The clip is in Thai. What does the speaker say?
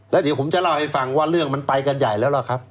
แล้วเดี๋ยวผมจะเล่าให้ฟังว่าเรื่องมันไปกันใหญ่แล้วล่ะครับ